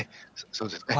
そうですね。